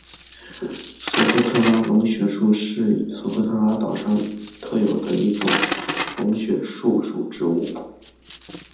索科特拉龙血树是索科特拉岛上特有的一种龙血树属植物。